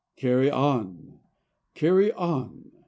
Carry on! Carry on!